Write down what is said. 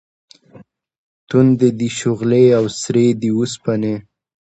تُندې دي شغلې او سرې دي اوسپنې